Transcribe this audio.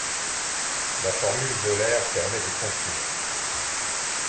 La formule d'Euler permet de conclure.